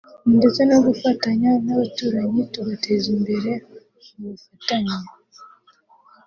ndetse no gufatanya n’abaturanyi tugatera imbere mu bufatanye